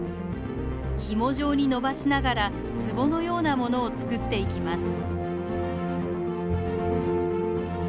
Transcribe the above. ひも状にのばしながらつぼのようなものを作っていきます。